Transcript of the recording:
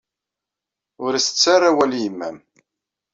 Ur as-ttarra awal i yemma-m.